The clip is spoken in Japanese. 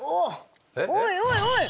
おいおいおい！